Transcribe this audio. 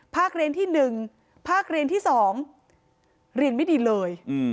เรียนที่๑ภาคเรียนที่๒เรียนไม่ดีเลย